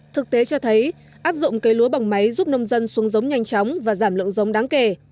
thực tế cho thấy áp dụng cây lúa bằng máy giúp nông dân xuống giống nhanh chóng và giảm lượng giống đáng kể